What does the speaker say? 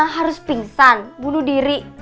harus pingsan bunuh diri